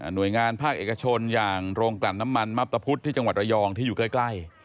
โดยงานภาคเอกชนอย่างโรงกลั่นน้ำมันมับตะพุธที่จังหวัดระยองที่อยู่ใกล้